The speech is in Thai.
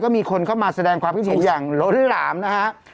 มีคนเข้ามาแสดงความคิดเห็นอย่างล้นหลามนะฮะ